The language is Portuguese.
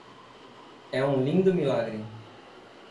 É um lindo milagre.